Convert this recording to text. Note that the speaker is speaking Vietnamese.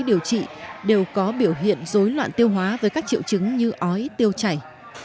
điều trị đều có biểu hiện dối loạn tiêu hóa với các triệu chứng như ói tiêu chảy